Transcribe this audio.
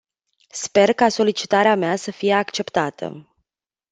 Sper ca solicitarea mea să fie acceptată.